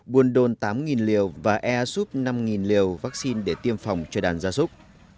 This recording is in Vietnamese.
buôn đôn tám liều và air soup năm liều vaccine để tiêm phòng cho đàn gia súc